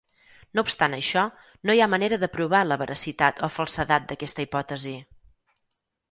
No obstant això, no hi ha manera de provar la veracitat o falsedat d'aquesta hipòtesi.